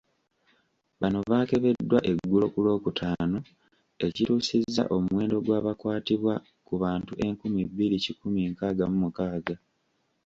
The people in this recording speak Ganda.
Bano baakebeddwa eggulo ku Lwokutaano, ekituusizza omuwendo gw’abakakwatibwa ku bantu enkumi bbiri kikumi nkaaga mu mukaaga.